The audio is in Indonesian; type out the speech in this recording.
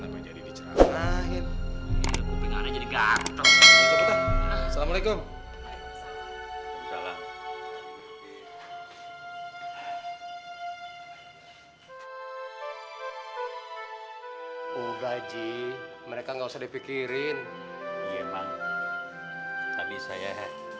wajib mereka nggak usah dipikirin